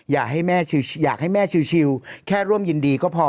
อยากให้แม่ชิลแค่ร่วมยินดีก็พอ